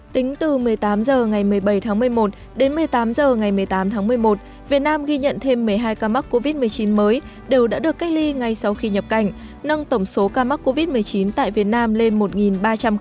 tính từ một mươi tám h ngày một mươi bảy tháng một mươi một đến một mươi tám h ngày một mươi tám tháng một mươi một việt nam ghi nhận thêm một mươi hai ca mắc covid một mươi chín mới đều đã được cách ly ngay sau khi nhập cảnh nâng tổng số ca mắc covid một mươi chín tại việt nam lên một ba trăm linh ca